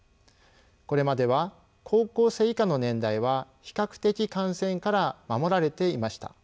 これまでは高校生以下の年代は比較的感染から守られていました。